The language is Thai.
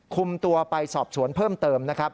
คุมตัวไปสอบสวนเพิ่มเติม